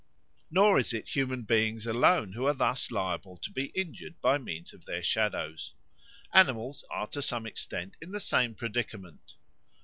Nor is it human beings alone who are thus liable to be injured by means of their shadows. Animals are to some extent in the same predicament.